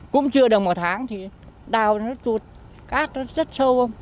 cũng chưa được một tháng thì đào nó chụt cát nó rất sâu không